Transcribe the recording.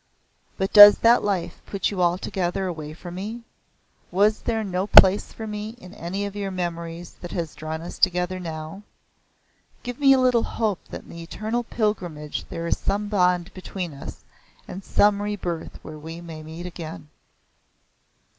But does that life put you altogether away from me? Was there no place for me in any of your memories that has drawn us together now? Give me a little hope that in the eternal pilgrimage there is some bond between us and some rebirth where we may met again."